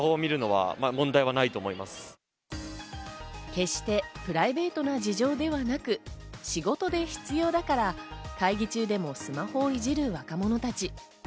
決してプライベートな事情ではなく、仕事で必要だから会議中でもスマホをいじる若者たち。